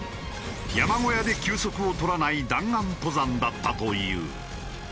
山小屋で休息を取らない弾丸登山だったという。